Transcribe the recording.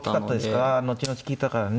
あ後々利いたからね。